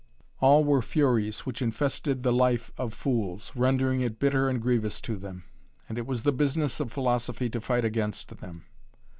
All were furies which infested the life of fools, rendering it bitter and grievous to them; and it was the business of philosophy to fight against them.